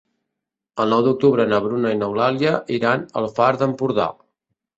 El nou d'octubre na Bruna i n'Eulàlia iran al Far d'Empordà.